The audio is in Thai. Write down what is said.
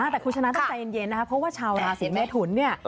แต่คุณชนะต้องใจเย็นนะครับเพราะว่าชาวราศีเมทุนเนี่ย